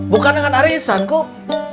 bukan dengan arisan kum